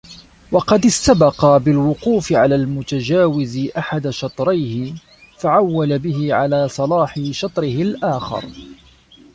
وَقَدْ اسْتَبْقَى بِالْوُقُوفِ عَنْ الْمُتَجَاوِزِ أَحَدَ شَطْرَيْهِ فَعَوَّلَ بِهِ عَلَى صَلَاحِ شَطْرِهِ الْآخَرِ